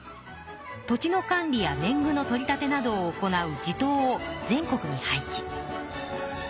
土地の管理や年ぐの取り立てなどを行う地頭を全国に配置。